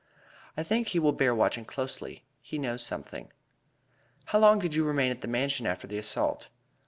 I think he will bear watching closely; he knows something." "How long did you remain at the Mansion after the assault?"